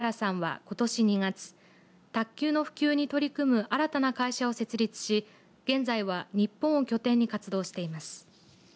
現役を引退後台湾を拠点に活動していた福原さんは、ことし２月卓球の普及に取り組む新たな会社を設立し現在は日本を拠点に活動しています。